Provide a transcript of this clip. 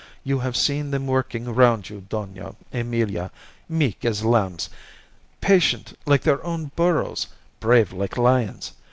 You have seen them working round you, Dona Emilia meek as lambs, patient like their own burros, brave like lions.